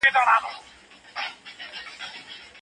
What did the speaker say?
ځینې ناروغان د لید قشر فعال ښيي.